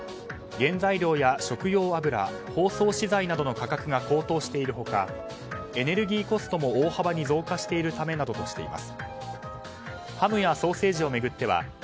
原材料や食用油包装資材などの価格が高騰している他エネルギーコストも大幅に増加しているためなどとしています。